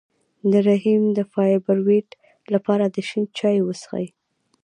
د رحم د فایبرویډ لپاره د شین چای وڅښئ